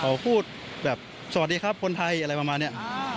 เขาพูดแบบสวัสดีครับคนไทยอะไรประมาณนี้